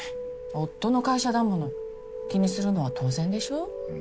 夫の会社だもの気にするのは当然でしょ？